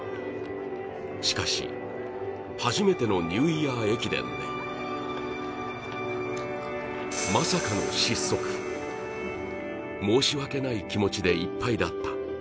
しかし、初めてのニューイヤー駅伝でまさかの失速、申し訳ない気持ちでいっぱいだった。